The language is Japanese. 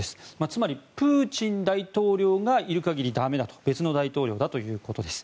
つまりプーチン大統領がいる限り駄目だと別の大統領だということです。